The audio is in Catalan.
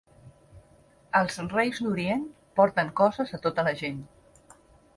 Els Reis d'Orient porten coses a tota la gent.